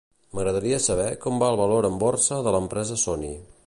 M'agradaria saber com va el valor en borsa de l'empresa Sony.